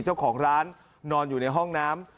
เจ้าของร้านนอนอยู่ในห้องน้ำ